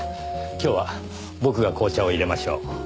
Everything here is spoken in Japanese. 今日は僕が紅茶を淹れましょう。